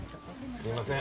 すいません。